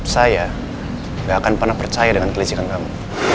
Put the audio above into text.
saya gak akan pernah percaya dengan kelezkan kamu